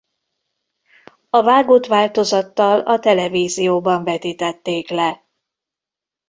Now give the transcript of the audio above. A vágott változattal a televízióban vetítették le.